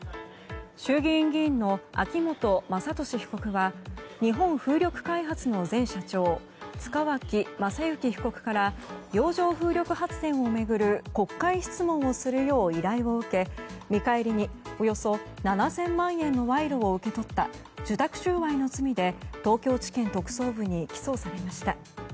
衆議院議員の秋本真利被告は日本風力開発の前社長塚脇正幸被告から洋上風力発電を巡る国会質問をするよう依頼を受け見返りにおよそ７０００万円の賄賂を受け取った受託収賄の罪で東京地検特捜部に起訴されました。